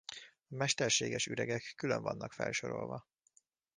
A mesterséges üregek külön vannak felsorolva.